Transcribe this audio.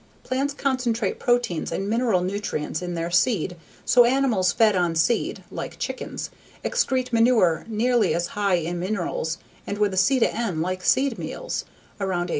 Plants concentrate proteins and mineral nutrients in their seed so animals fed on seed (like chickens) excrete manure nearly as high in minerals and with a C/N like seed meals (around 8:1).